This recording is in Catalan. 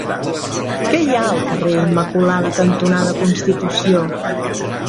Què hi ha al carrer Immaculada cantonada Constitució?